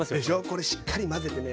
これしっかり混ぜてね